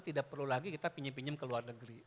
tidak perlu lagi kita pinjam pinjam ke luar negeri